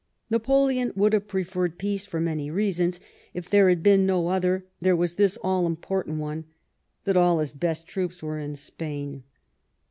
Napoleon would have preferred peace for many reasons. If there had been no other, there was this all important one, that all his best troops were in Spain.